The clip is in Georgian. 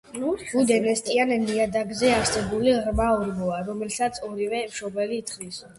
ბუდე ნესტიან ნიადაგზე არსებული ღრმა ორმოა, რომელსაც ორივე მშობელი თხრის.